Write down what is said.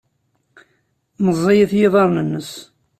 Meẓẓiyit yiḍarren-nnes.